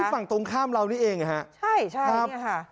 มีฝั่งตรงข้ามเรานี่เองค่ะใช่ใช่ใช่เนี่ยค่ะ